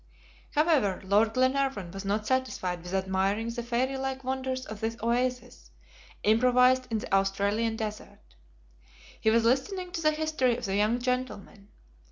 However, Lord Glenarvan was not satisfied with admiring the fairy like wonders of this oasis, improvised in the Australian desert. He was listening to the history of the young gentlemen.